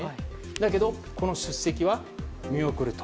だけどこの出席は見送ると。